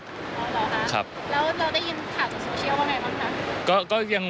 อ๋อเหรอครับแล้วเราได้ยินถามโซเชียลว่าอย่างไรบ้างครับ